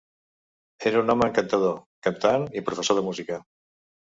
Era un home encantador, cantant i professor de música.